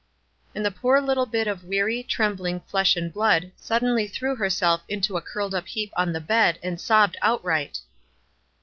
And the poor little bit of weary, trembling flesh and blood suddenly threw herself into a curled up heap on the bed and sobbed outright.